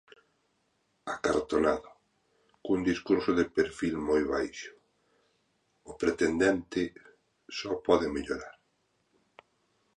Acartonado, cun discurso de perfil moi baixo, o pretendente só pode mellorar.